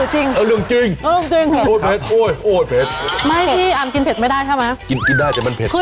อันนี้มุบใช่ไหมหนูจริง